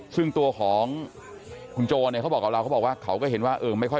ซึ่งตัวของคุณโจเนี่ยเขาบอกกับเราเขาบอกว่าเขาก็เห็นว่าเออไม่ค่อย